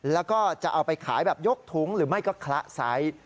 แล้วก็จะเอาไปขายแบบยกถุงหรือไม่ก็คละไซส์